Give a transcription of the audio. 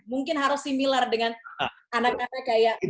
mungkin harus similar dengan anak anak kayak